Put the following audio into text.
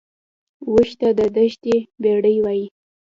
اوښ ته د دښتې بیړۍ وایي